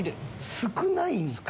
少ないんか。